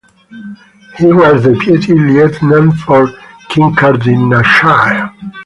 He was Deputy Lieutenant for Kincardineshire.